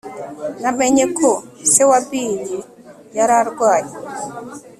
Namenye ko se wa Bill yari arwaye